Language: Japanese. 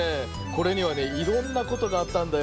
これにはねいろんなことがあったんだよ。